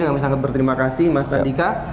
kami sangat berterima kasih mas radika